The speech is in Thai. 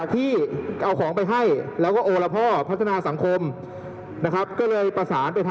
แต่เราก็ช่วยกันแจ้งนะครับ